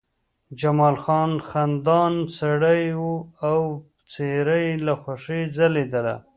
جمال خان خندان سړی و او څېره یې له خوښۍ ځلېدله